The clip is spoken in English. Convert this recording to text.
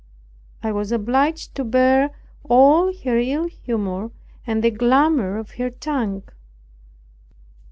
I was obliged to bear all her ill humor and the clamor of her tongue.